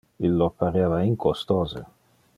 Illo pareva incostose.